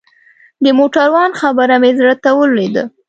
د موټروان خبره مې زړه ته ولوېده.